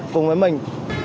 cùng với mình